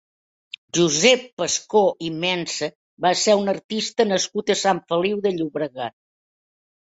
Josep Pascó i Mensa va ser un artista nascut a Sant Feliu de Llobregat.